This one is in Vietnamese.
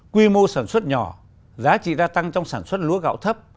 quy mô sản xuất nhỏ giá trị gia tăng trong sản xuất lúa gạo thấp